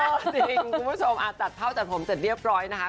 จริงคุณผู้ชมจัดเข้าจัดผมเสร็จเรียบร้อยนะคะ